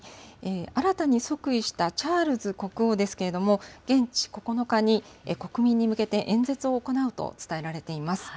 新たに即位したチャールズ国王ですけれども、現地９日に、国民に向けて演説を行うと伝えられています。